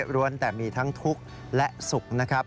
รวมแต่มีทั้งทุกข์และสุขนะครับ